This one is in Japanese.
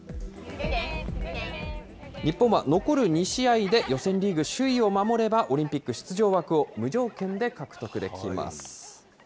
日本は残る２試合で予選リーグ首位を守ればオリンピック出場枠を無条件で獲得できます。